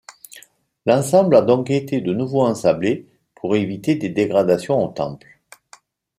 L'ensemble à donc été de nouveau ensablé, pour éviter des dégradations au temple.